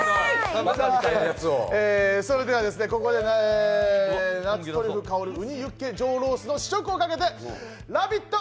それではここで夏トリュフ香るウニユッケ上ロースの試食を懸けて「ラヴィット！」